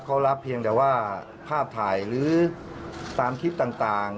เขารับเพียงแต่ว่าภาพถ่ายหรือตามคลิปต่าง